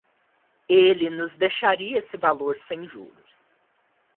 Ele nos deixaria esse valor sem juros.